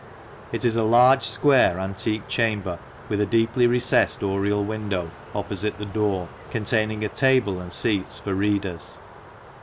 It is a large, square, antique chamber, with a deeply recessed oriel window, opposite the door, containing a table and seats for readers.